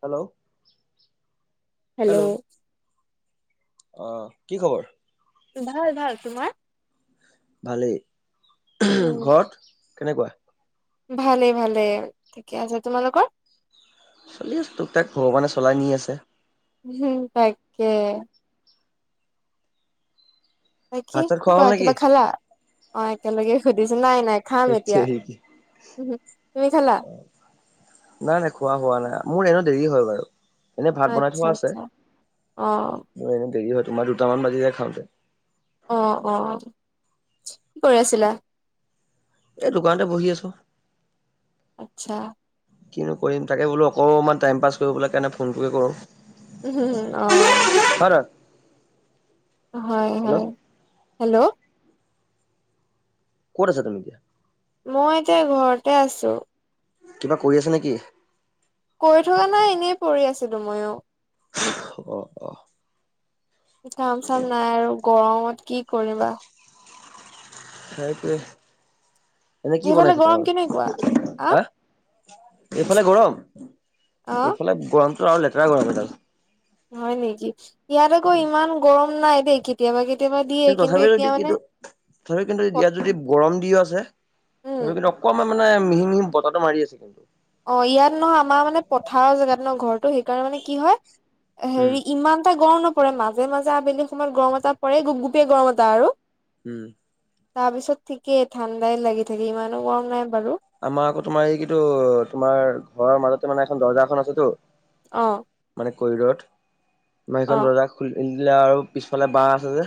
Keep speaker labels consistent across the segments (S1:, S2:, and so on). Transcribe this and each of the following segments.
S1: Hello.
S2: Hello.
S1: আহ কি খবৰ।
S2: ভাল ভাল তোমাৰ।
S1: ভালেই ঘৰত কেনেকুৱা।
S2: ভালেই ভালেই ঠিকে আছে। তোমালোকৰ
S1: চলি আছো তোক তাক ভগৱানে চলাই নি আছে।
S2: উম তাকে। ন কি
S1: ভাত চাত খোৱা হ'ল
S2: কোৱা
S1: নেকি
S2: কিবা খালা অ, একেলগে সুধিছো। নাই নাই খাম এতিয়া তুমি খালা।
S1: নাই নাই খোৱা হোৱা নাই। মোৰ এনে দেৰি হয় বাৰু। এনেই ভাত বনাই
S2: আচ্ছা
S1: থোৱা আছে
S2: আচ্ছা অ
S1: এনে দেৰি হয় তোমাৰ দুটামান বাজিজাই খাওঁতে।
S2: অ অ কি কৰি আছিলা।
S1: এই দোকানতে বহি আছো।
S2: আচ্ছা
S1: কিনো কৰিম তাকে বোলো অকণমান টাইম পাছ কৰিবলৈ কাৰণে ফোনটোৱে কৰো
S2: উ হম আহ
S1: হয় নহয়
S2: হয়
S1: হেল্ল'
S2: হয় হেল্ল'
S1: ক'ত আছা তুমি এতিয়া
S2: মই এতিয়া ঘৰতে আছোঁ
S1: কিবা কৰি আছে নেকি
S2: কৰিৈ থকা নাই এনেই পৰি আছিলো ময়ো
S1: আহ আহ
S2: কাম চাম নাই আৰু গৰমত কি কৰিবা
S1: সেইটোৱে এনেই কি
S2: সেইফালে
S1: বনাইছে
S2: গৰম কেনেকুৱা
S1: তোমালোকে
S2: আহ
S1: হ এইফালে গৰম
S2: আহ
S1: এইফালে গৰমটো আৰু লেতেৰা গৰম এডাল
S2: হয় নেকি ইয়াত আকৌ ইমান গৰম নাই দেই কেতিয়াবা কেতি
S1: কিন্তু তথাপিও যদি কিু তথাপি কিন্তু ইয়াত যদি গৰম দি আছে
S2: উম
S1: কিন্তু অকণমান মানে মিহি মিহি বতাহটো মাৰি আছে কিন্তু
S2: অ ইয়াত নহয় আমাৰ মানে পথাৰ জেগাত নহ ঘৰটো সেইকাৰণে মানে কি হয়
S1: উম,
S2: হেৰি ইমান এটা গৰম নপৰে মাজে মাজে আবেলি সময়ত গৰম এটা পৰে গোপ গোপেই গৰম এটা আৰু
S1: উম
S2: তাৰ পিছত ঠিকেই ঠাণ্ডাই লাগি থাকে ইমানো গৰম নাই বাৰু
S1: আমাৰ আকৌ তোমাৰ এই কি তোমাৰ ঘৰৰ মাজতে মানে এখন দৰ্জাখন আছেতো
S2: আহ
S1: মানে কৰিডৰত মীখন বজাৰ খ দিলে আৰু পিছফালে বাঁ আছে যে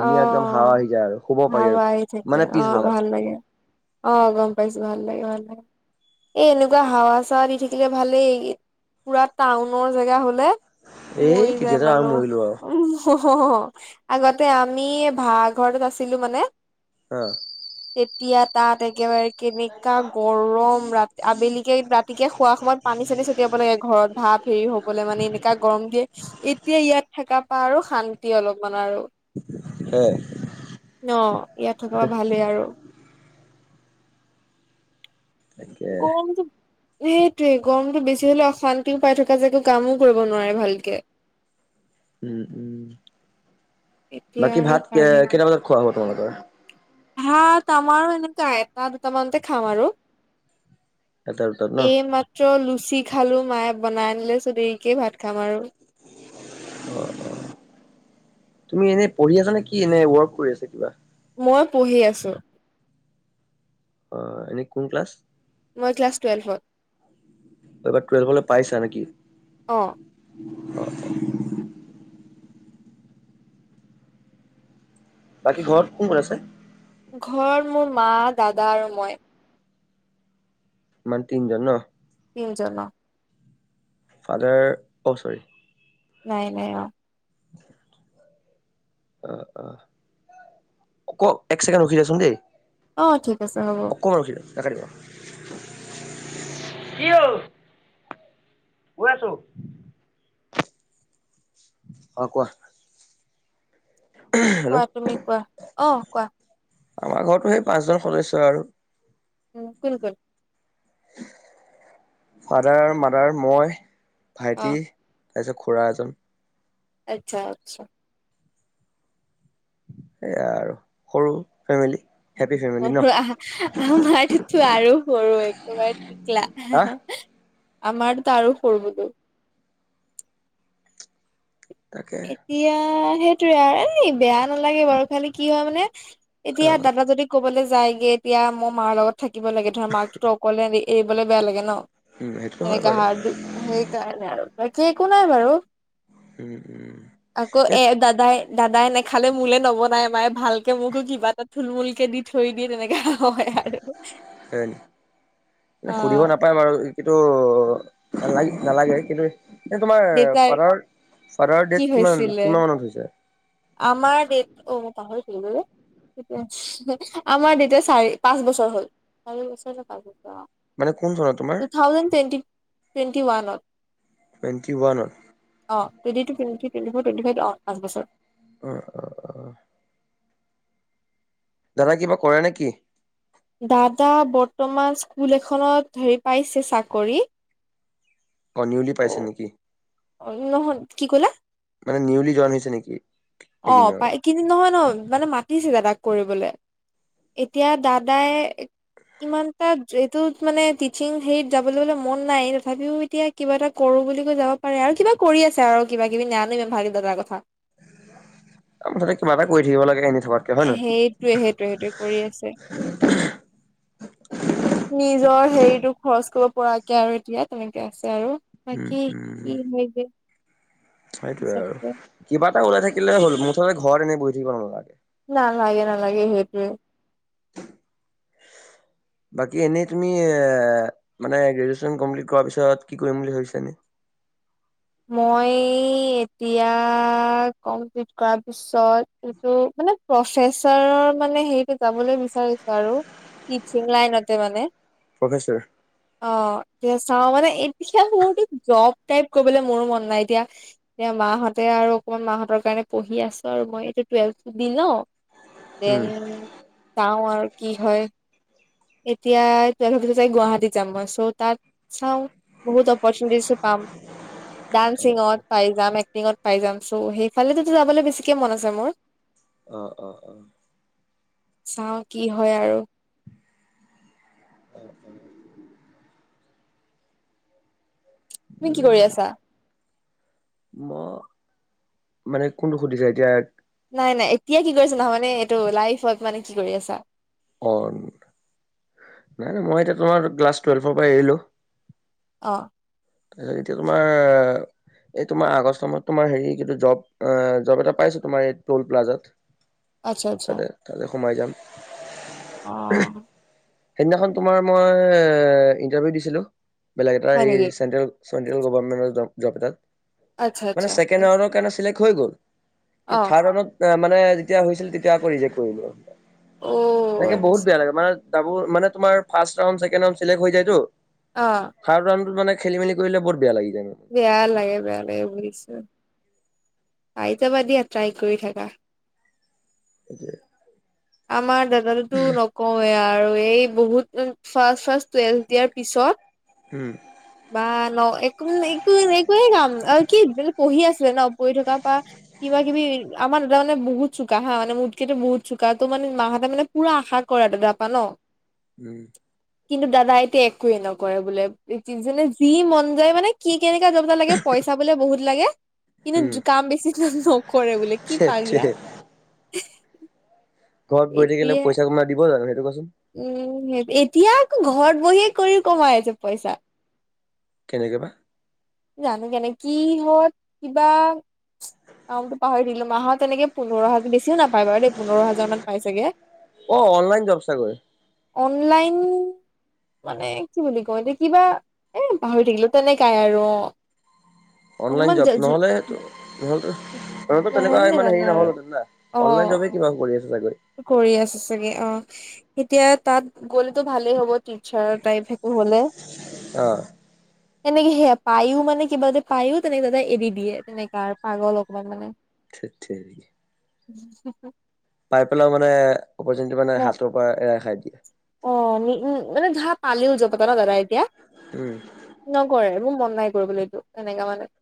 S2: অ
S1: একদম হাৱা আহি যায় আৰু শুব পাৰি
S2: হাৱা
S1: আৰু
S2: আহি থাকে
S1: মানে
S2: অ
S1: পিছবেলাক
S2: ভাল লাগে অ গম পাইছো ভাল লাগে ভাল লাগে এ এনেকুৱা হাৱা চাৱা দি থাকিলে ভালেই পুৰা টাউনৰ জেগা হলে
S1: এই
S2: মৰি যায়
S1: তেতিয়াতো আৰু মৰিলো আৰু
S2: মানুহ উ আগতে আমি ভঘৰতত আছিলো মানে
S1: অ
S2: তেতিয়া তাত একেবাৰে কেনেকুৱা গৰম ৰাতি আবেলিিকে ৰাতিকে খোৱা সময় পানী চানী ছটিয়াব লাগে ঘৰত ভাৱ ফেৰি হবলৈ মানে এনেককাা গৰম দিয়ে এতিয়া ইয়াত থাককা পাৰ শান্তি অলপমান আৰু
S1: সেয়াই
S2: ন ইয়াত থকা ভালেই আৰু
S1: তকে
S2: সেইটোৱে গৰমতটো বেছি হলেও অশান্তিও পাই থকা যে এক কামো কৰিব নোৱাৰে ভালকে
S1: উ উম উম
S2: এতিয়া
S1: বাকী
S2: আৰু
S1: ভাত কেইটা বজাত খোৱা হ'ব তোমালোকৰ
S2: হাতাতমাৰো এনেকুৱা এটা দুটামানতে খাম আৰু
S1: এটা দুটাত ন?
S2: এই মাত্ৰ লুচি খালো মায়ে বনাই নিলে চো দেৰিকে ভাত খাম আৰু
S1: অ তুমি এনে পঢ়ি আছা নে কি এনে ৱৰ্ক কৰি আছা কিবা
S2: মই পঢ়ি আছো
S1: অ আ কোন ক্লছ
S2: মই ক্লাছ টুৱেলভত
S1: এইবাৰ টেলভ হলে পাইছা নেকি
S2: অ
S1: বাকী ঘৰত কোন কোন আছে
S2: ঘৰত মোৰ মা দাদা আৰু মই
S1: মানে তিনিজন ন
S2: তিনিজ
S1: ফাদাৰ অ' চৰি
S2: নাই নাই অ
S1: [unintelligible] আহ আহ ক এক ছেকেণ্ড ৰখিছাচোন দেই
S2: অ', ঠিক আছে হ'ব।
S1: কি হল আছো অ', কোৱা। হেল্ল'
S2: কোৱা তুমি কোৱা অ কোৱা
S1: আমাৰ ঘো সেই পাঁচজন সদস্য আৰু
S2: উ কোন কোন
S1: ফাদাৰ আৰু মাদাৰ, মই,
S2: অ
S1: ভাইটি। তাৰপিছত খুৰা এজন
S2: আচ্ছা আচ্ছা
S1: আৰু সৰু ফেমিলি হেপী ফেমিলি ন
S2: আমাৰতো আৰু সৰু একেবাৰে শিকলা
S1: হা
S2: আমাৰতো আৰু সৰবতো [unintelligible]
S1: তাকে
S2: এতিয়া সেইটোৱে আৰু এ বেয়া নালাগে বাৰু খালি কি হয় মানে
S1: অ
S2: এতিয়া দাদা যদি ক'বলৈ যায়গে এতিয়া মোৰ মাৰ লগত থাকিব লাগে ধৰা মাকটোতো অকলে। এৰিবলৈ বেয়া লাগে ন
S1: উম সেইটোতো হয়
S2: সেনেকা
S1: বাৰু
S2: হাৰ সেইকাৰণে আৰু বাকী একো নাই বাৰু
S1: উম উম এক।
S2: দাদা এ নখালে মোলে নবনায় মায়ে ভালকে মোকো কিবা এটা থুলমূল কে দি থৈ দিয়ে তেনেকে। অ
S1: সুধিব নাপায় বাৰু কিটো নালাগ নালাগে কিন্তু। তোমাৰ
S2: দেউতাৰ
S1: ফাদাৰৰ
S2: কি
S1: দ্যাদ কিমান
S2: হৈছিলে
S1: কিমান মানত হৈছে
S2: আমাৰ ডেট অ', ম পাহ হৈছিল ব [unintelligible] তেতিয়া আমাৰ তেতিয়া চাৰি পাঁচ বছৰ হল চাৰি বছৰ কা হল [unintelligible]
S1: মানে কোন জনা তোমাৰ
S2: টুৱেণ্টি টুৱেণ্টি ওৱানত
S1: টণ্টি বনন [unintelligible]
S2: অ', টুৱট ফভ পাঁচ বছৰ [unintelligible]
S1: অ অ অ দাদা কিবা কৰে নেকি?
S2: দাদা বৰ্তমান স্কুল এখনত ধৰি পাইছে চাকৰি
S1: অ নিউলি
S2: ত
S1: পাইছে নেকি
S2: অ নহ কি কলা [unintelligible]
S1: মানে নিউলি জন হৈছে নেকি
S2: অ
S1: এইকেইদিনৰ
S2: পাই কিনি নহয় ন মানে মাতিছে দাদাক কৰিবলৈ এতিয়া দাদাই। ইমান এইটো মান টিচিং হেৰিত যাবলৈ মন নাই তথাপিও এতিয়া কিবা এটা কৰো [unintelligible] বুলি কৈ যাব পাৰে আৰু কিবা কৰি আছে আৰু কিবা কিবি নোনমম ভালে দাদাৰ কথা [unintelligible]
S1: তাতে কিবা এটা কৰি থাকিব লাগে এনে থকাতকে হয় নহয়
S2: সেইটোৱে সেইটোৱে সেইটো কৰি আছে নিজৰ হেৰিতটো খৰচ কৰিব পৰাকে আৰু এতিয়া তেনেকে আছে আৰু।
S1: উম
S2: অকি কি হেে [unintelligible]
S1: সেইটয়ে আৰু কিবা এটা ওলাই থাকিলে হ'ল মুঠতে ঘৰত এনেই বহি থাকিব নলালে
S2: ন লাগে নালাগে সেইটোৱে।
S1: [unintelligible] বাকী এনেই তুমি এ মানে গ্ৰেজন কমপ্লিট কৰ পিছত কি কৰিম বুলি ভাবছান [unintelligible] [unintelligible]
S2: মই এতিয়া কমপ্লিট কৰাৰ পিছত এইটো মানে প্ৰফেচাৰৰ মানে হেৰিটো যাবলৈ বিচাৰিছো আৰু টিচিং লাইনতে মানে
S1: প্ৰফেচৰ
S2: অ, এয়া চাও মানে এতিয়া মোৰতো জব টপ লৈ মোৰো মন নাই এতিয়া এতিয়া মাহতে আৰু অকমান মাহতৰ কাৰণে পঢ়ি আছো আৰু মই এইটো টেলভ দ ন
S1: উম
S2: দেন যাও আৰু কি হয়। এতিয়া ত চাই গুৱাহাটীত যাম মই চ' তাত চাও বহুত অপৰচুনিটিছো পাম। ডান্সিঙত পাই যাম এক্টিঙত পাই যাম চো সেইফালতো যাবলৈ বেছিকে মন আছে মোৰ।
S1: অ- অ - অ।
S2: চাও কি হয় আৰু। তুমি কি কৰি
S1: উম,
S2: আছা?
S1: মই মানে কোনটো সুধিছোয় এতিয়া
S2: নাই- নাই এতিয়া কি কৰিছা নহয়ানে এইটো লাইফত মানে কি কৰি আছা।
S1: অ, নাই- নাই মই এতিয়া তোমাৰ ক্লাছ টুৱেলভৰ পৰা এৰিলো।
S2: অ
S1: তাৰপছত এতিয়া তোমাৰ এই তোমাৰ আগষ্ট মত তোমাৰ হেৰি কি জব- জব এটা পাইছো তোমাৰ এই টল প্লাজাত।
S2: আচ্ছা - আচ্ছা।
S1: সমাই যাম
S2: অ',
S1: সেইনাখন তোমাৰ মই ইণ্টাৰভিউ দিছিলো বলেগ এটা
S2: হয় নেকি?
S1: চেণ্ট্ৰেল চেট্ৰেল গেটৰ জব এ
S2: আচ্ছা আচ্ছা
S1: মানে চেকেণ্ড
S2: অ
S1: ৰাউণ্ডৰ কাৰনে চিলেক্ট হৈ গল কিন্ত থাৰ্ডত মানে যেতিয়া হৈছিল তেতিয়া আকৌ জ কৰিল।
S2: অ
S1: এনেকে বহুত
S2: আচ্ছা
S1: বেয়া লাগে মানে ড মানে তমাৰ ফাৰ চ হৈ যায়তো।
S2: অ
S1: সাৰ ৰাত মানে খেলি মেলি কৰিলে বহুত বেয়া লাগিছে।
S2: বেয়া লাগে - বেয়া লাগে বুজিছো। পাইজাবা দিয়া ট্ৰাই কৰি থাকা।
S1: সেইটোৱে
S2: আমাৰ দাদাতো নকওঁৱয় আৰু এই বহুত ফাৰ্ষ ফাৰ্ষট টুৱেলভ দিয়াৰ পিছত
S1: উম
S2: বা ন একো- একো - একোৱে কাম আৰু কি ব পঢ়ি আছিলে ন। বা কিবা কিবি আমাৰ এটা মানে বহুত চুোকা হা মানে মোটকে বহুত চুোকা ত' মানে মাহতে মানে প ৰা আশা কৰা দাদাৰ পা ন।
S1: উম,
S2: কিন্তু দাদা এতিয়া একোৱে নকৰে বোলে যেনে যি মন যায় মানে কি কেনেকা যবতা লাগে পইচা বোলে বহুত লাগে।
S1: উম,
S2: কিন্তু কাম বেছি নকৰে বোলে কি পাগলা।
S1: সেইটোৱে ঘৰত বহি থাকিলে
S2: এতিয়া
S1: পইচা কোনোবাই দিব জানো কোৱাচোন
S2: উম এতিয়া আকৌ ঘৰত বহিয়ে কৰি কমাই আছে পইচা
S1: কেনেকৈ বা
S2: জানো কেনে কি হত কিবা কামতটো পাহৰি দিলো আহাহত এনেকে পোন্ধৰ হাজাৰ বেছিও নাপায় বাৰু দেই পোন্ধৰ হাজাৰ মান পাই চাগে।
S1: অ, অনলাইন ব্যৱচাগৰি
S2: অনলাইন মানে কি বুলি ক এতিয়া কিবা এ পাহৰি থাকিলো তেনেকাই আৰু।
S1: অনলাইন
S2: অকমান
S1: জব নহ'লেটো - নহ'লেত তো তেনেকুৱা
S2: নহ'লে
S1: ইমান
S2: নাজানো
S1: হেৰি
S2: আৰু
S1: নহলো
S2: অ
S1: অনলাইন জব কিবা কৰি আছে চাগৈ
S2: কৰি আছ চাগে অ, এতিয়া তাত গ'লেতো ভালেই হ'ব টিচাৰ টাইপ একো হলে।
S1: আহ,
S2: এনেকে সেয়া পায়ো মানে কিবা এটা পায়ো তেনেকে দাদাই এৰি দিয়ে তেনেককাে আৰু পাগল অকমান মানে।
S1: চ্চয় [unintelligible]
S2: উম,
S1: পাই পেলাইও মানে অপি মানে হাতৰ পৰা এৰা খাই। দিয়ে
S2: অ, উ মানে ধা পালিও জ পত ন দাদা এতিয়া
S1: উম
S2: নকৰে। মোৰ মন নাই কৰিবলৈ এইটো এনেকা মানে।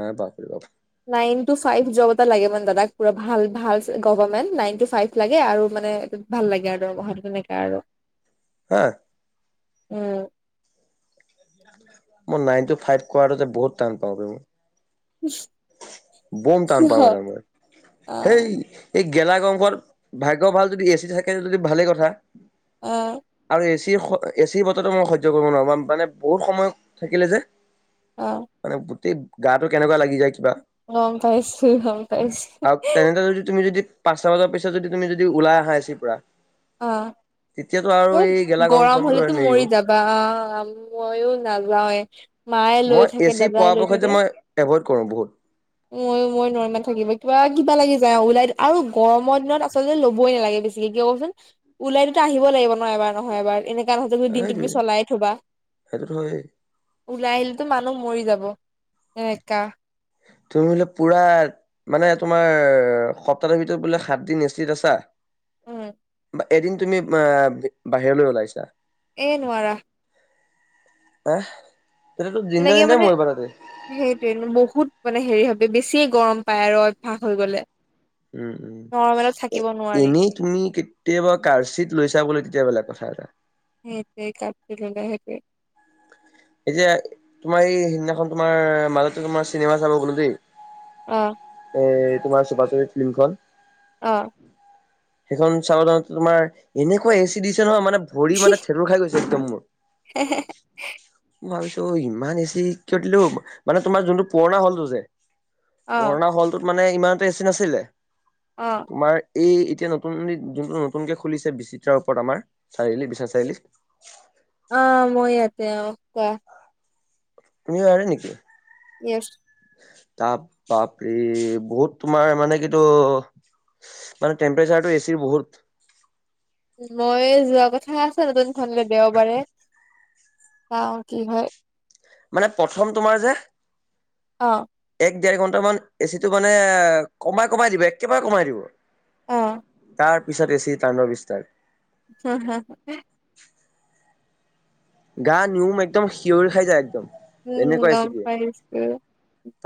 S1: আহ, বাপৰে বাপ
S2: নাইন টো ফাইভ যব এটা লাগে মানে দাদাক পোৰা ভাল - ভাল গভৰ্ণমেণ্ট নাইণ টো ফাইভ ভাল লাগে আৰু দৰৱহাটো তেনেককাে আৰু।
S1: হা
S2: উম,
S1: মই নাইন টু ফাইভ কোৱাটো যে বহুত টান পাও। বোম টান
S2: সিহ
S1: পাও এডাল মই
S2: অ
S1: হেই। এই গেলা গংশত ভাগ্য ভাল যদি এ চি থাকেদি যদি ভালেই কথা।
S2: অ',
S1: আৰু এচিৰ এচিৰ বতৰো মই সজ্য কৰিব নোৱাৰো মানে বহুত সময় থাকিলে যে।
S2: অ
S1: মানে গোটেই গাটো কেনেকুৱা লাগি যায়।
S2: গম পাইছো গম পাইছো
S1: আৰু তেনে যদি তুমি যদি পাচটা বজাৰ পিছত যদি তুমি যদি ওলাই আহা আছে পুৰা।
S2: অ', এ
S1: এই গেলা
S2: গৰম
S1: গৰমখনতো
S2: হলেতো
S1: নেৰিব
S2: মৰি যাবা মই নাযাও। মায়ে লৈ
S1: মই
S2: থাকে
S1: এচি
S2: দাদাই লৈ
S1: পৰাপক্ষত যে
S2: থাকে।
S1: মই এভইড কৰো বহুত
S2: ময়ো মই নৰমাত থাকিব কিবা- কিবা লাগে। ওলাই আৰু গৰমৰ দিনত আচলতে ল'বই নালাগে বেছিকে কিয় কবচোন ওলাই দিউতে আহিব লাগিব ন এবাৰ নহয় এবাৰ এনেক গান দিনটো তুমি
S1: সেইটোৱে
S2: চলাই থবা
S1: সেইটোতো হয়েই
S2: ওলাই আহিলো মানুহ মৰি যাব। এ কা
S1: তুমি বোলে পুৰা মানে তোমাৰ সপ্তাহটোৰ ভিতৰত বোলে সাত দিন এষ্টিত আছা।
S2: উম,
S1: এদিন তুমি অ বাহিৰলৈ ওলাইছা
S2: এ নোৱাৰা।
S1: আহ,
S2: তেনেকে মানে সেইটোয়ে বহুত। মানে হেৰি ভি বেছি গৰম পায় আৰু অভ্যয়াস হৈ গলে।
S1: উম উম
S2: নৰ্মেলত
S1: এ
S2: থাকিব নোৱাৰি
S1: এনেই তুমি কেতিয়াবা কাৰ্চিত লৈ চাব লাগ তেতিয়া বেলেগ কথা আৰু।
S2: সেই কাপটোট
S1: এতিয়া তোমাৰ এই সিদিনাখন তোমাৰ মাজতে তোমাৰ চিনেমা চাব গলো দেই
S2: আহ
S1: এ তোমাৰ চুপাচুপি ফিল্মখন।
S2: অ',
S1: সেইখন চাবাও তোমাৰ এনেকুৱা এ চি দিছে নহয় মানে ভৰি মানে থঠেেতুৰ খাই গৈছে একদম মোৰ। [inaudible] ভাবিছো ইমান এছি ক দিলো মানে তোমাৰ যোনটো পুৰণা হল ত যে
S2: অ
S1: পুৰণা হলটোত মানে ইমানতে এচি নাছিলে
S2: অ
S1: তোমাৰ। এই এতিয়া নতুন যোনটো নতুনকে খুলিছে বিচিত্ৰাৰ ওপৰত আমাৰ চাৰিআলি বিশ্বনাথ চাৰিআলি
S2: তেওঁ কোৱা
S1: তুমিও আহ নেকি?
S2: য়েছ
S1: তাৰ বাপৰি বহুত তোমাৰ মানে কিতো মানে টেম্পাৰেচাৰটো এচিৰ বহুত
S2: মই যোৱা কথা আছ নতুনখনলৈ দেওবাৰে। অ কি হয়
S1: মানে প্ৰথম তোমাৰ যে
S2: অ
S1: এক দেেৰ ঘন্ট মান এচি টো মানে কমাই কমাই দিব একেবাৰে কমাই দিব
S2: অ
S1: তাৰ পিছত এছি তানণ্ডব স্থাৰত।
S2: হ হু
S1: [unintelligible] গা নিউম একদম হিঞৰি খাই যায় একদম
S2: উম
S1: এনেকুৱা
S2: অ
S1: এচি দিয়ে
S2: পাইছ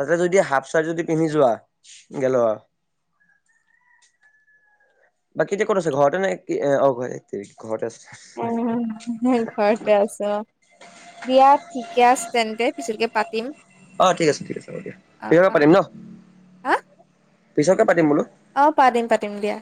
S1: তাতে যদি হাফ চাৰ্ট যদি পিন্ধি যোৱা গেল বাকী যে কোনো আছে ঘৰতে নে কি ঘৰ আ
S2: অহ ঘৰতে আছে। দিয়া ঠিকেছ তেন্তে পিছতকে পাতিম
S1: িক আছে হব দিয়া
S2: অ অ হা
S1: পিছৰ পাতিম ন পিছ
S2: অ পাতিম পাতিম দিয়া।